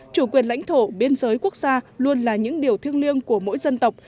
chủ quyền lãnh thổ biên giới quốc gia luôn là những điều thiêng liêng của mỗi dân tộc